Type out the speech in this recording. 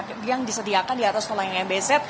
jika anda menuju ke atas tolayang mbz